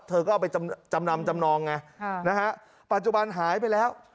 เธอก็เอาไปจำนำจำนองไงนะฮะปัจจุบันหายไปแล้ว